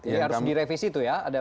ya harus direvisi tuh ya ada